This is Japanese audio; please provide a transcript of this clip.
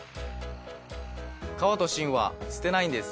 皮と芯は捨てないんです。